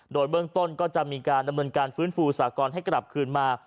โดยเบื้องต้นก็จะมีการดำเนินการฟื้นฟูสากรให้กลับคืนมา